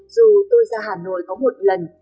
dù tôi ra hà nội có một lần